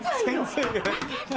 先生が。